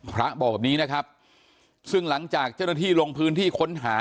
พระบอกแบบนี้นะครับซึ่งหลังจากเจ้าหน้าที่ลงพื้นที่ค้นหา